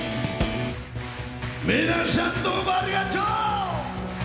皆さんどうもありがとう！